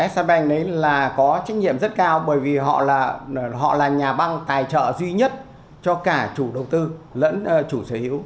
shb là có trách nhiệm rất cao bởi vì họ là nhà băng tài trợ duy nhất cho cả chủ đầu tư lẫn chủ sở hữu